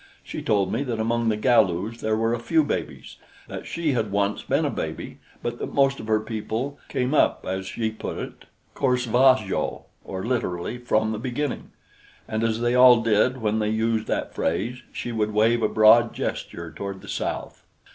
She told me that among the Galus there were a few babies, that she had once been a baby but that most of her people "came up," as he put it, "cor sva jo," or literally, "from the beginning"; and as they all did when they used that phrase, she would wave a broad gesture toward the south.